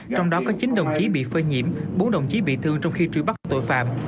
trong đó có chín đồng chí bị phơi nhiễm bốn đồng chí bị thương trong khi truy bắt tội phạm